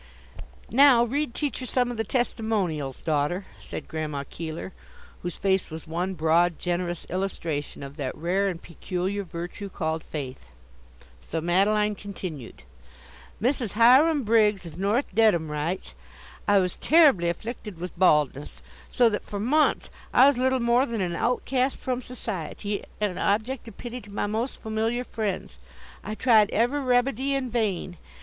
"Now, read teacher some of the testimonials, daughter," said Grandma Keeler, whose face was one broad, generous illustration of that rare and peculiar virtue called faith. So Madeline continued: "Mrs. Hiram Briggs, of North Dedham, writes: 'I was terribly afflicted with baldness, so that, for months, I was little more than an outcast from society, and an object of pity to my most familiar friends. I tried every remedy in vain.